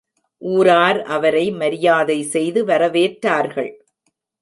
ஊரார் அவரை மரியாதை செய்து வரவேற்றார்கள்.